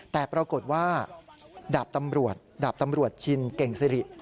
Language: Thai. แต่ปรากฏว่าดาบตำรวจจินเก่งสิริ